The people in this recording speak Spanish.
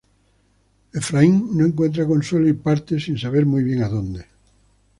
Efraín no encuentra consuelo, y parte, sin saber muy bien a dónde.